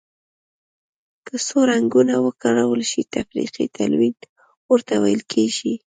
که څو رنګونه وکارول شي تفریقي تلوین ورته ویل کیږي.